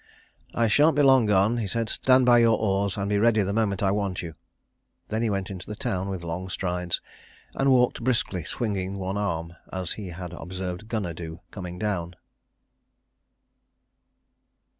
"I shan't be long gone," he said. "Stand by your oars, and be ready the moment I want you." Then he went into the town with long strides, and walked briskly, swinging one arm, as he had observed Gunnar do coming down.